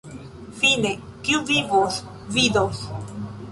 Fine, kiu vivos, vidos.